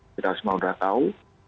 kita semua sudah tahu